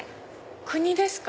国ですか？